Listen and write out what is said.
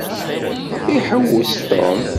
Iḥewwes Tom.